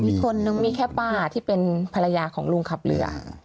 อีกคนนึงมีแค่ป้าที่เป็นภรรยาของลุงขับเรือ